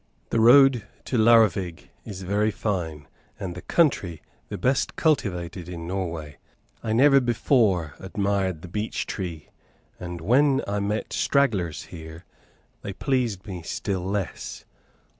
The road to Laurvig is very fine, and the country the best cultivated in Norway. I never before admired the beech tree, and when I met stragglers here they pleased me still less.